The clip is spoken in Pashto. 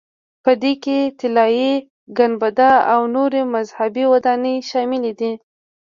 په دې کې طلایي ګنبده او نورې مذهبي ودانۍ شاملې دي.